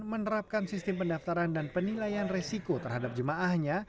menerapkan sistem pendaftaran dan penilaian resiko terhadap jemaahnya